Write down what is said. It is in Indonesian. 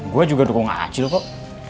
gue juga dukung acil kok